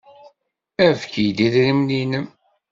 Efk-iyi-d idrimen-nnem.